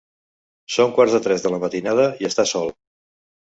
Són quarts de tres de la matinada i està sol.